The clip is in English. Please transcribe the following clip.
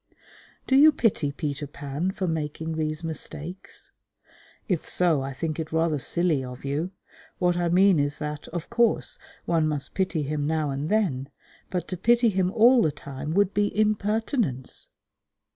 Do you pity Peter Pan for making these mistakes? If so, I think it rather silly of you. What I mean is that, of course, one must pity him now and then, but to pity him all the time would be impertinence.